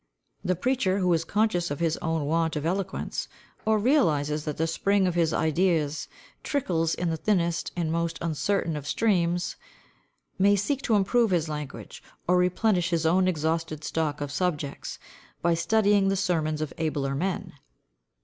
The preacher who is conscious of his own want of eloquence, or realises that the spring of his ideas trickles in the thinnest and most uncertain of streams, may seek to improve his language, or replenish his own exhausted stock of subjects, by studying the sermons of abler men.